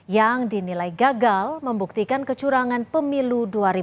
yang dinilai gagal membuktikan kecurangan pemilu dua ribu dua puluh